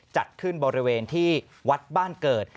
จัดขึ้นบริเวณที่วัดบ้านเกิด